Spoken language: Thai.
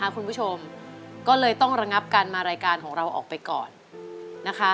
คุณผู้ชมก็เลยต้องระงับการมารายการของเราออกไปก่อนนะคะ